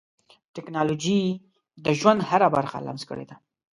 ټکنالوجي د ژوند هره برخه لمس کړې ده.